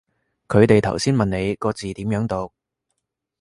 佢哋頭先問你個字點樣讀